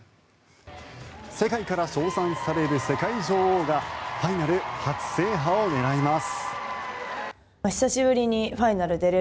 世界から称賛される世界女王がファイナル初制覇を狙います。